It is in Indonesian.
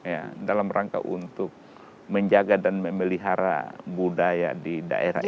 ya dalam rangka untuk menjaga dan memelihara budaya di daerah ini